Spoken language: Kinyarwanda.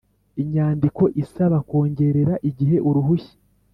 Inyandiko isaba kongerera igihe uruhushya